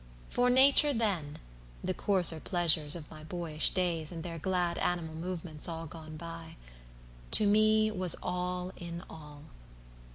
For nature then (The coarser pleasures of my boyish days, And their glad animal movements all gone by) To me was all in all.